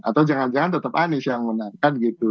atau jangan jangan tetap anies yang menang kan gitu